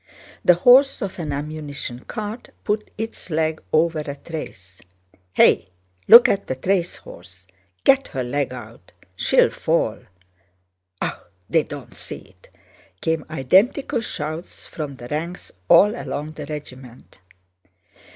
The horse of an ammunition cart put its leg over a trace. "Hey, look at the trace horse!... Get her leg out! She'll fall.... Ah, they don't see it!" came identical shouts from the ranks all along the regiment.